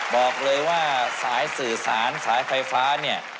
บอกเลยว่าสายสื่อสารสายไฟฟ้าเนี่ย